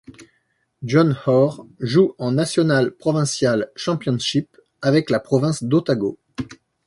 John Hore joue en National Provincial Championship avec la province d'Otago.